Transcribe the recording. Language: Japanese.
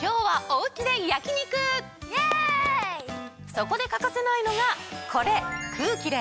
そこで欠かせないのがこれ。